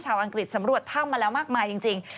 อังกฤษสำรวจถ้ำมาแล้วมากมายจริง